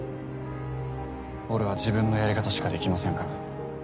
俺は自分のやり方しかできませんから。